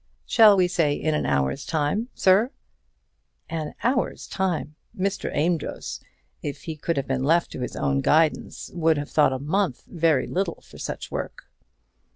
"Shall we say in an hour's time, sir?" An hour's time! Mr. Amedroz, if he could have been left to his own guidance, would have thought a month very little for such a work.